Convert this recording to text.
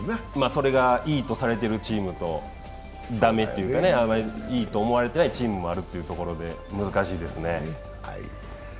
それがいいとされてるチームと、あまりいいと思われてないチームがあるということで難しいですね。